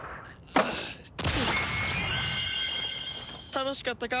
楽しかったか？